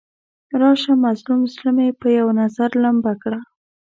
راشه مظلوم زړه مې په یو نظر لمبه کړه.